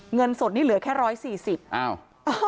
เงินสดนี่เหลือแค่๑๔๐อ้าว